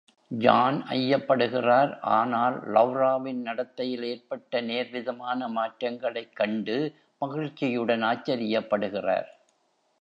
John ஐயப்படுகிறார், ஆனால், லௌராவின் நடத்தையில் ஏற்பட்ட நேர்விதமான மாற்றங்களைக் கண்டு மகிழ்ச்சியுடன் ஆச்சரியப்படுகிறார்.